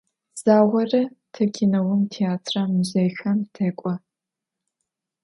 Zağore te kineum, têatrem, muzêyxem tek'o.